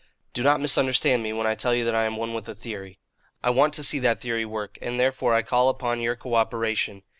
"Do not misunderstand me, when I tell you that I am one with a theory. I want to see that theory work, and therefore I call upon your cooperation.